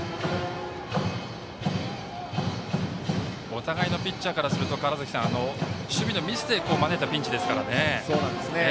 お互いのピッチャーからすると守備のミスで招いたピンチですから。